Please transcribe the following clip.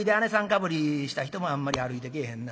かぶりした人もあんまり歩いてけえへんな。